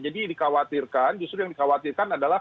jadi dikhawatirkan justru yang dikhawatirkan adalah